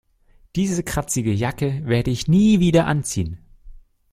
Diese kratzige Jacke werde ich nie wieder anziehen.